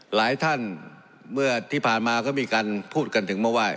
หลายท่านเมื่อที่ผ่านมาก็มีการพูดกันถึงเมื่อวาน